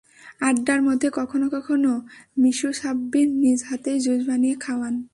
আড্ডার মধ্যে কখনো কখনো মিশু সাব্বির নিজ হাতেই জুস বানিয়ে খাওয়ান।